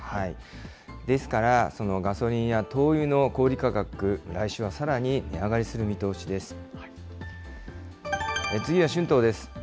ですから、ガソリンや灯油の小売り価格、来週はさらに値上がりする見通しです。